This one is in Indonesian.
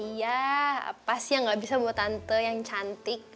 iya pasti yang gak bisa buat tante yang cantik